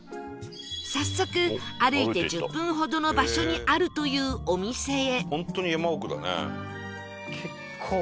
早速歩いて１０分ほどの場所にあるというお店へ